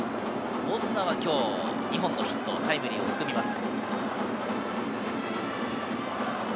オスナは今日２本のヒット、タイムリーを含みます。